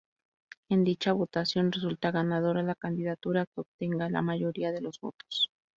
En dicha votación resulta ganadora la candidatura que obtenga la mayoría de los votos.